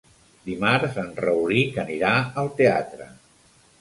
Dimarts en Rauric anirà al teatre.